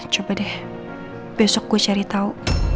coba deh besok gua cari tau